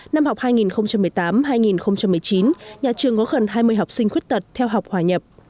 năm học hai nghìn một mươi tám hai nghìn một mươi chín nhà trường có gần hai mươi học sinh khuyết tật theo học hòa nhập